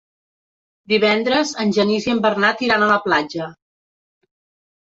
Divendres en Genís i en Bernat iran a la platja.